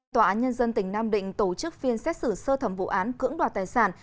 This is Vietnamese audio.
tòa án nhân dân tỉnh nam định tổ chức phiên xét xử sơ thẩm vụ án cưỡng đoạt tài sản